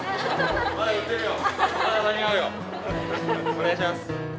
お願いします。